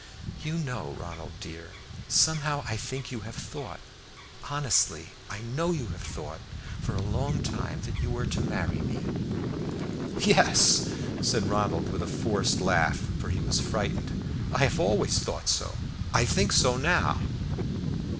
"You know, Ronald dear, somehow I think you have thought honestly, I know you have thought for a long time that you were to marry me." "Yes," said Ronald with a forced laugh, for he was frightened. "I have always thought so; I think so now."